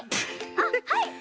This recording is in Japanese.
あっはい！